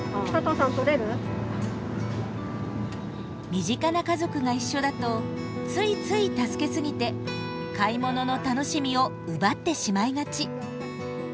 身近な家族が一緒だとついつい助けすぎて買い物の楽しみを奪ってしまいがち。